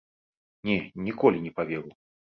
Не, ніколі не паверу!